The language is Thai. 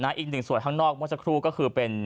อีกหนึ่งส่วนข้างนอกเมื่อสักครู่ก็คือเป็น